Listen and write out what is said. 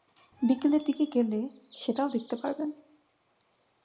বিকেলের দিকে গেলে সেটাও দেখতে পারবেন।